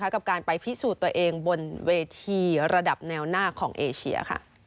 กับการไปพิสูจน์ตัวเองบนเวทีระดับแนวหน้าของเอเชีย